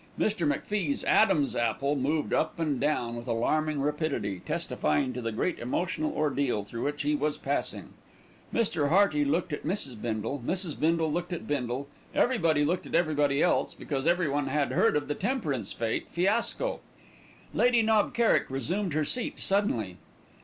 Mr. MacFie's "adam's apple" moved up and down with alarming rapidity, testifying to the great emotional ordeal through which he was passing. Mr. Hearty looked at Mrs. Bindle, Mrs. Bindle looked at Bindle, everybody looked at everybody else, because everyone had heard of the Temperance Fête fiasco. Lady Knob Kerrick resumed her seat suddenly.